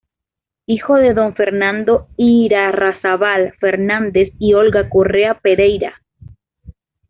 Hijo de don Fernando Irarrázaval Fernández y Olga Correa Pereira.